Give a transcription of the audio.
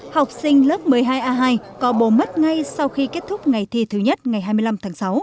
học sinh lớp một mươi hai a hai có bồ mất ngay sau khi kết thúc ngày thi thứ nhất ngày hai mươi năm tháng sáu